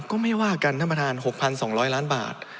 ก็ไม่ว่ากันท่านประธาน๖๒๐๐ล้านบาท